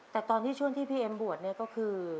แต่ตอนที่ช่วงที่พี่เอ็มบวชเนี่ยก็คือ